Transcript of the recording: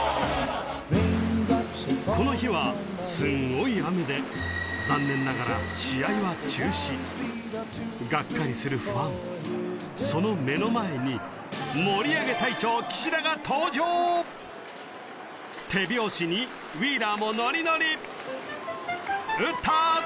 この日はすんごい雨で残念ながら試合は中止がっかりするファンその目の前に手拍子にウィーラーもノリノリ打った！